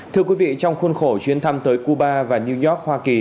thưa quý vị trong khuôn khổ chuyến thăm tới cuba và new york hoa kỳ